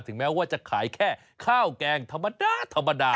แม้ว่าจะขายแค่ข้าวแกงธรรมดาธรรมดา